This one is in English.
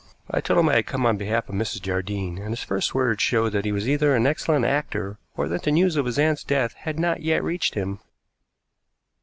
I told him I had come on behalf of Mrs. Jardine, and his first words showed that he was either an excellent actor or that the news of his aunt's death had not yet reached him.